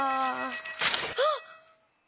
あっ！